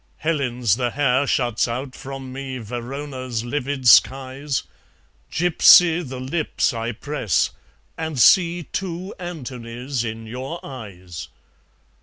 Helen's the hair shuts out from me Verona's livid skies; Gypsy the lips I press; and see Two Antonys in your eyes.